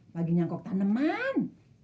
bagi nyangkok taneman